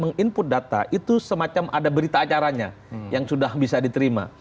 meng input data itu semacam ada berita acaranya yang sudah bisa diterima